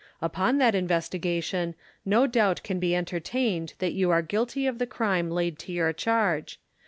Upon that investigation no doubt can be entertained that you are guilty of the crime laid to your charge.